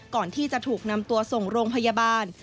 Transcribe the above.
ก่อนที่จะถูกนำตัวส่งโรงพยาบาล